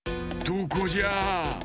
どこじゃ？